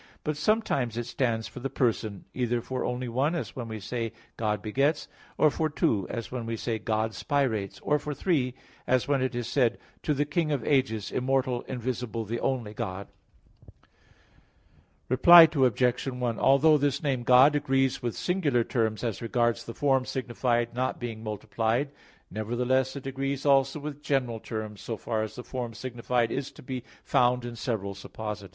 But sometimes it stands for the person, either for only one, as when we say, "God begets," or for two, as when we say, "God spirates"; or for three, as when it is said: "To the King of ages, immortal, invisible, the only God," etc. (1 Tim. 1:17). Reply Obj. 1: Although this name "God" agrees with singular terms as regards the form signified not being multiplied; nevertheless it agrees also with general terms so far as the form signified is to be found in several _supposita.